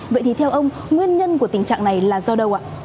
vậy thì theo ông nguyên nhân của tình trạng này là do đâu ạ